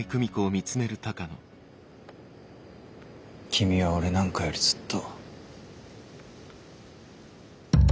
君は俺なんかよりずっと。